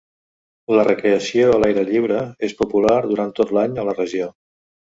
La recreació a l'aire lliure és popular durant tot l'any a la regió.